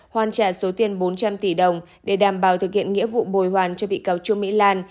hoàn trả số tiền bốn trăm linh tỷ đồng để đảm bảo thực hiện nghĩa vụ bồi hoàn cho bị cáo trương mỹ lan